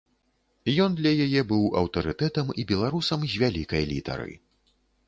Ён для яе быў аўтарытэтам і беларусам з вялікай літары.